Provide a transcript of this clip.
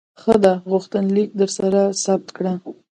ښه ده، غوښتنلیک درسره ثبت کړه.